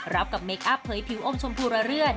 รับกับเมคอัพเผยผิวอมชมพูระเลือด